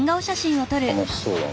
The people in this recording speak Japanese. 楽しそうだな。